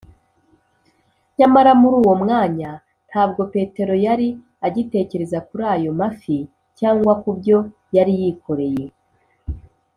nyamara muri uwo mwanya ntabwo petero yari agitekereza kuri ayo mafi cyangwa ku byo yari yikoreye